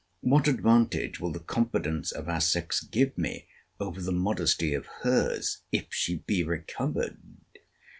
What advantage will the confidence of our sex give me over the modesty of her's, if she be recovered!